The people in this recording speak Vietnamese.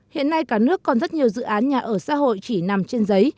hiện nay cả nước còn rất nhiều dự án nhà ở xã hội chỉ nằm trên giấy